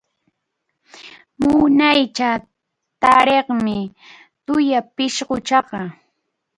Munaycha takiqmi tuya pisquchaqa.